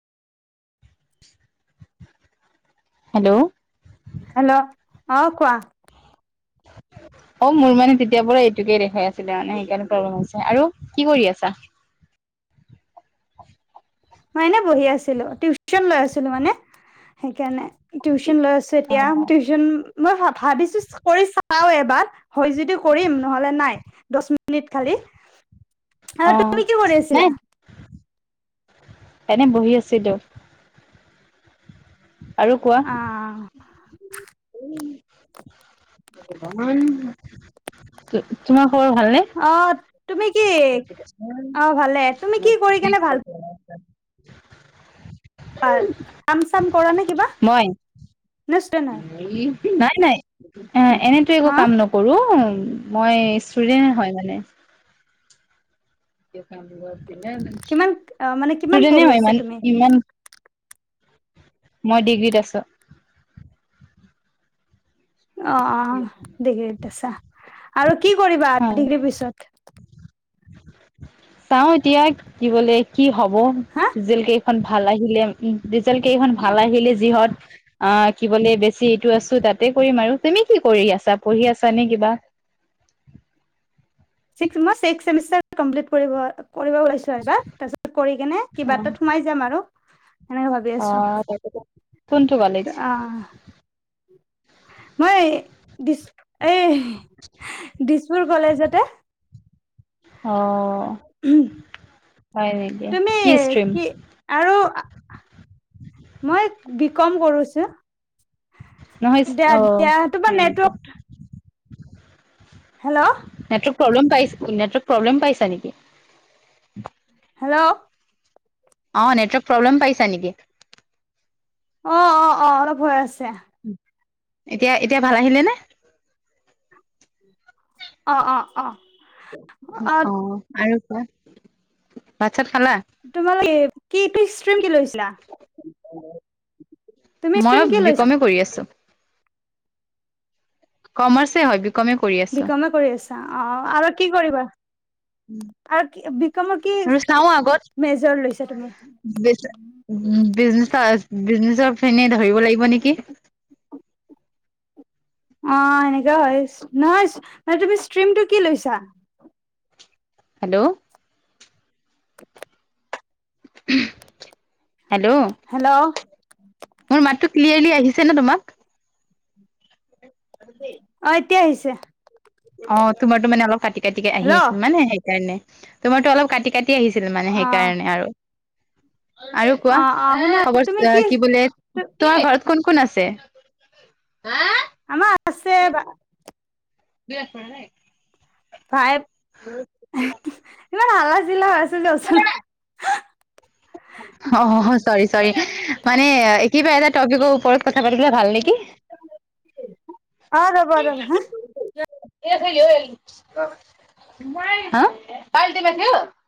Hello. Hello. অ' কোৱা। [unintelligible] অ' মোৰ মানে তেতিয়াৰ পৰা এইটোকে দেখাই আছিলে মানে সেইকাৰণে প্ৰব্লেম হৈছে আৰু কি কৰি আছা? মই এনে বহি আছিলোঁ। টিউশচন লৈ আছিলোঁ মানে সেইকাৰণে। টিউশচন লৈ আছো অ এতিয়া টিউশ্চন। মই ভাবিছোঁ কৰি চাওঁ এবাৰ। হয় যদি কৰিম নহ'লে নাই। দহ মিন [unintelligible] খালি অ আৰু তুমি কি কৰি নাই আছিলা? এনে বহি আছিলোঁ। আৰু কোৱা। অ [unintelligible] তোমাৰ খবৰ ভালনে? অ' তুমি কি? অ' ভালে। তুমি কি কৰি কেনে ভাল পাৰ, কাম চাম কৰা নে কিবা মই [unintelligible] [unintelligible] নাই, নাই। এনেটো একো হা কাম নক কৰো মই ষ্টুডেন্টে হয় মানে। কিমান অ মানে কিমান ষ্টুডেন্টে পঢ়ি হয় আছা মানে তুমি ইমান মই ডিগ্ৰীত আছোঁ। অ', অ' ডিগ্ৰীত আছা আৰু কি কৰিবা হয় ডিগ্ৰীৰ পিছত? চাও এতিয়া কি বোলে কি হ'ব হা জেলকেইখন ভাল আহিলে ৰিজাল্ট কেইখন ভাল আহিলে যিহত অ' কি বোলে বেছি এইটো আছো তাতে কৰিম আৰু। তুমি কি কৰি আছা পঢ়ি আছা নে কিবা? [unintelligible] মই চিক্স চেমিষ্টাৰ কমপ্লিট কৰিব ওলাইছো এইবাৰ, তাৰপিছত কৰি কিনে অ কিবা এটাত সোমা যাম আৰু। সেনেকে অ' তাকেটো। কোনটো কলেজ? আহ, মই দিছ এই দিছপুৰ কলেজতে। অ' হয় নেকি, তুমি কি ষ্ট্ৰ্ৰীম? আৰু মই বি কম কৰোছোঁ। নহয় দিয়া অ দিয়া, তোমাৰ হয় নেকি নেটৱৰ্ক [inaudible] হেল্ল'। নেটৱৰ্ক প্ৰব্লেম পাই, নেটৱৰ্ক প্ৰব্লেম পাইছা নেকি? হেল্ল'। অ' নেটৱৰ্ক প্ৰব্লেম পাইছা নেকি? অ', অ', অ' অলপ হৈ আছে। এতিয়া এতিয়া ভাল আহিলে নে? অ', অ', অ'। অ' আৰু কোৱা, ভাত চাত খালা? তোমালোক কি এইটো ষ্ট্ৰিম কি লৈছিলা? তুমি ষ্ট্ৰীম মইও কি বি লৈছা কমে কৰি আছোঁ। কমাৰ্চে হয়। কমে কৰি আ বিকমে কৰি আছা অ' আৰু কি কৰিবা? আৰু বিকমৰ কি আৰু মেজৰ লৈছা তুমি? বিজনে-বিজনে-বিজনেছৰ পিনে ধৰিব লাগিব নেকি। [inaudible] অ' এনেকাও হয়, নহয় মানে তুমি ষ্ট্ৰিমটো কি লৈছা? হেল্ল'। হেল্ল'। হেল্ল'। মোৰ মাতটো ক্লিয়াৰলি আহিছেনে তোমাক? [unintelligible] অ' এতিয়া আহিছে। অ' তোমাৰটো মানে অলপ কাটি কাটি আহি হেল্ল' অ আছিল মানে সেইকাৰণে। তোমাৰটো অলপ কাটি কাটি তি আহিছিল মানে অ সেইকাৰণে আৰু। আৰু কোৱা অ শুনা তুমি খবৰ কি বোলে তোমাৰ ঘৰত কোন কোন আছে? আমাৰ আছে [unintelligible] ফাইভ [inaudible] ইমান হাল্লা চিল্লা হৈছে যে ওচৰত অ' চৰি চৰি, মানে কিবা এটা টপিকৰ ওপ ওপৰত কথা পাতিলে ভাল নেকি। অ ৰ'বা ৰ'বা হা [unintelligible]